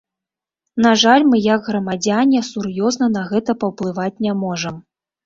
На жаль, мы як грамадзяне, сур'ёзна на гэта паўплываць не можам.